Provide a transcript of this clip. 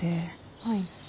はい。